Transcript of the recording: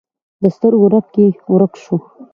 د سترګو رپ کې ورک شو